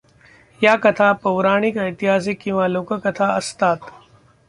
या कथा पौराणिक, ऐतिहासिक किंवा लोककथा असतात.